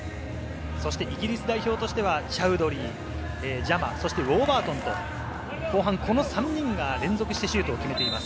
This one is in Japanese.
イギリス代表としてはチャウドリー、ジャマ、そしてウォーバートンと後半、この３人が連続してシュートを決めています。